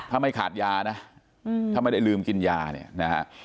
ถ้าไม่ขาดยานะถ้าไม่ได้ลืมกินยาเนี่ยนะฮะ